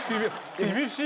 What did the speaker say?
厳しい！